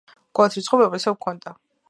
კოალიციას რიცხობრივი უპირატესობა ჰქონდა.